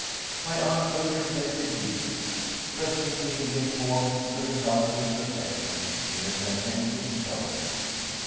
My uncle reflected deeply. Presently he gave forth the result of his reflections in a sententious tone.